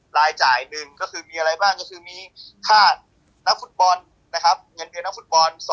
รายจ่ายหนึ่งก็คือมีอะไรบ้างก็คือมีค่าเงินเดือนนักฟุตบอล๒